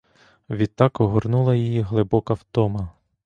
Відтак огорнула її глибока втома.